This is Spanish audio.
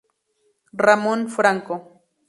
Ramón Franco